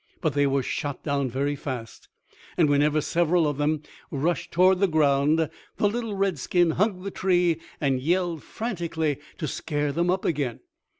But they were shot down very fast; and whenever several of them rushed toward the ground, the little redskin hugged the tree and yelled frantically to scare them up again.